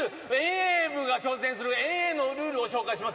遠泳部が挑戦する遠泳のルールを紹介します。